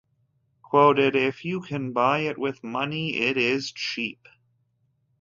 Quoted: If you can buy it with money, it is cheap.